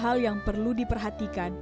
hal yang perlu diperhatikan